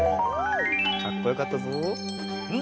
かっこよかったぞ！